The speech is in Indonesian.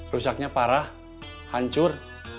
rusaknya parah hancur